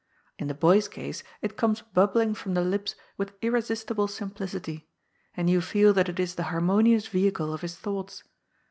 In the boy's case it comes babbling from the lips with irresistible simplicity, and you feel that it is the harmonious vehicle of his thoughts.